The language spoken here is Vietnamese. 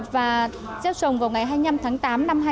và gieo trồng vào ngày hai mươi năm tháng tám năm hai nghìn một mươi bảy